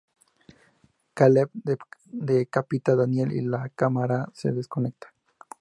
Caleb decapita a Daniel y la cámara se desconecta.